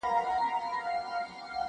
په هغه ورځ به يو لاس ورنه پرې كېږي،